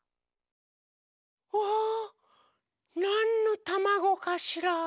うわなんのたまごかしら？